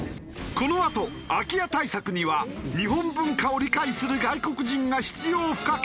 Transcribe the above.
このあと空き家対策には日本文化を理解する外国人が必要不可欠？